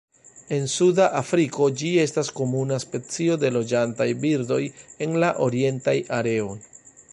En suda Afriko ĝi estas komuna specio de loĝantaj birdoj en la orientaj areoj.